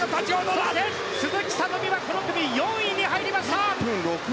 そして、鈴木聡美はこの組４位に入りました。